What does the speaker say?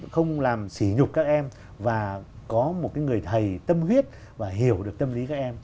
không làm xì nhục các em và có một người thầy tâm huyết và hiểu được tâm lý các em